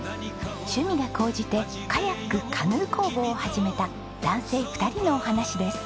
趣味が高じてカヤックカヌー工房を始めた男性２人のお話です。